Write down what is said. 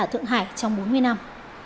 ở thượng hải trong bốn mươi năm